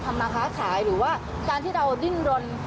มาค้าขายหรือว่าการที่เราดิ้นรน